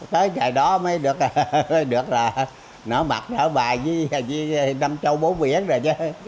thế trời đó mới được là nở mặt nở bài với năm châu bốn biển rồi chứ